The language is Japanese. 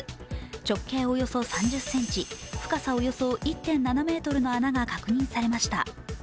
直径およそ３０ｃｍ、深さおよそ１．７ｍの穴が確認されました。